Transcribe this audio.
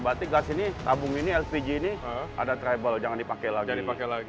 berarti gas ini tabung ini lpg ini ada tribal gasnya habis